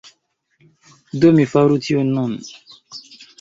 Do mi faru tion nun.